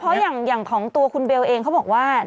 เพราะอย่างของตัวคุณเบลเองเขาบอกว่า